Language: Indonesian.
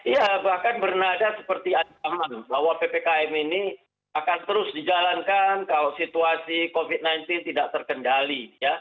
ya bahkan bernada seperti ancaman bahwa ppkm ini akan terus dijalankan kalau situasi covid sembilan belas tidak terkendali